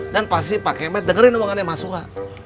dan pasti pak kemet dengerin omongannya mas suha